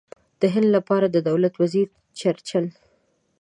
د هند لپاره د دولت وزیر چرچل.